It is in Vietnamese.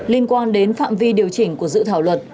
liên quan đến phạm vi điều chỉnh của dự thảo luật